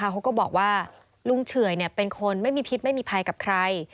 เขาก็บอกว่าลุงเฉื่อยเป็นคนไม่มีพิษไม่มีภัยกับใคร